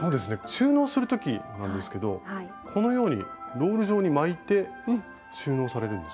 収納する時なんですけどこのようにロール状に巻いて収納されるんですね。